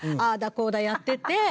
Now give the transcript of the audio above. こうだやってて。